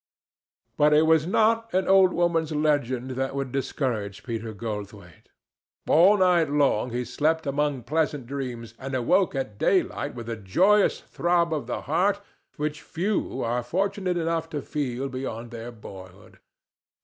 But it was not an old woman's legend that would discourage Peter Goldthwaite. All night long he slept among pleasant dreams, and awoke at daylight with a joyous throb of the heart which few are fortunate enough to feel beyond their boyhood.